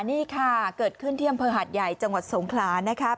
นี่ค่ะเกิดขึ้นเที่ยมเผอร์หัสใหญ่จังหวัดสงขลา